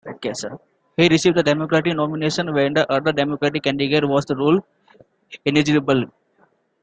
He received the Democratic nomination when the other Democratic candidate was ruled ineligible.